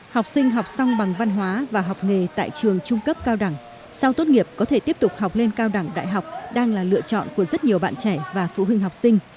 học sinh học xong bằng văn hóa và học nghề tại trường trung cấp cao đẳng sau tốt nghiệp có thể tiếp tục học lên cao đẳng đại học đang là lựa chọn của rất nhiều bạn trẻ và phụ huynh học sinh